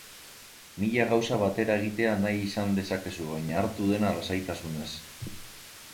Mila gauza batera egitea nahi izan dezakezu baino hartu dena lasaitasunez.